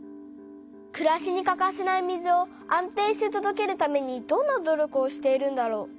くらしにかかせない水を安定してとどけるためにどんな努力をしているんだろう。